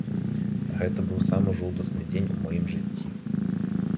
Гэта быў самы жудасны дзень у маім жыцці.